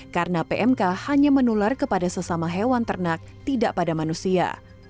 karena pmk hanya menular kepada sesama hewan ternak tidak pada manusia